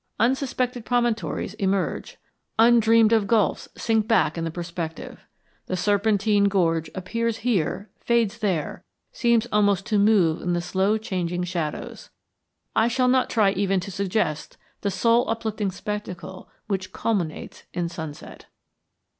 Unsuspected promontories emerge, undreamed of gulfs sink back in the perspective. The serpentine gorge appears here, fades there, seems almost to move in the slow changing shadows. I shall not try even to suggest the soul uplifting spectacle which culminates in sunset.